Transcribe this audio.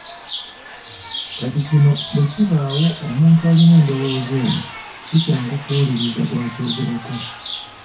Kati kino bwe kibaawo omuntu alina endowooza eno si kyangu kuwuliriza gw’akyogerako.